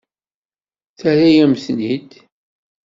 Terra-yam-ten-id.